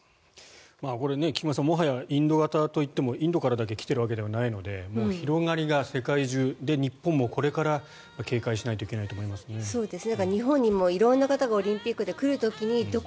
これ、菊間さんインド型といってももはやインドからだけ来ているわけではないので広がりが世界中日本もこれから警戒しないといけないと思いますね。